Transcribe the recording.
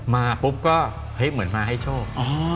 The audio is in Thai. มาปุ๊บก็เฮ้ยเหมือนมาให้โชค